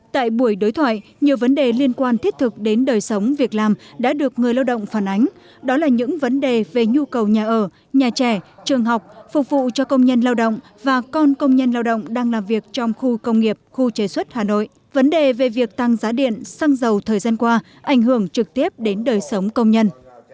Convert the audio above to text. tại buổi đối thoại nhiều vấn đề liên quan thiết thực đến đời sống việc làm đã được người lao động phản ánh đó là những vấn đề về nhu cầu nhà ở nhà trẻ trường học phục vụ cho công nhân lao động và con công nhân lao động đang làm việc trong khu công nghiệp khu chế xuất hà nội vấn đề về việc tăng giá điện xăng dầu thời gian qua ảnh hưởng trực tiếp đến đời sống công nhân